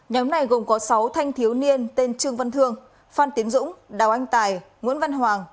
nhóm này gồm có sáu thanh thiếu niên tên trương văn thương phan tiến dũng đào anh tài nguyễn văn hoàng